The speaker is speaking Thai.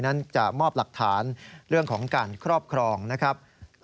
นั้นจะมอบหลักฐานเรื่องของการครอบครองนะครับ